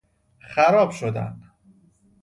خراب شدن